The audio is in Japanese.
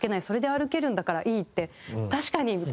「それで歩けるんだからいい」って確かに！